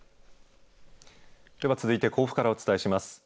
では、続いて甲府からお伝えします。